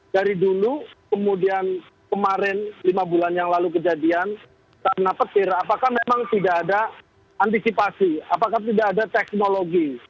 dari dulu kemudian kemarin lima bulan yang lalu kejadian karena petir apakah memang tidak ada antisipasi apakah tidak ada teknologi